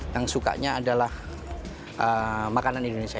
yang sukanya adalah makanan indonesia